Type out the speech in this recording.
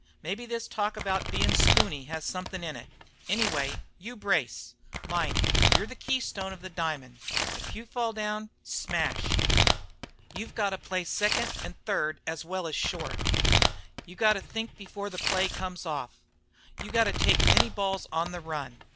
Mebbe this talk about your bein' spooney has somethin' in it. Anyway, you brace! Mind, you're the keystone of the diamond. If you fall down smash! You've got to play second an' third as well as short. You've got to think before the play comes off. You've got to take many balls on the run.